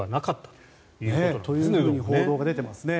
という報道が出ていますね。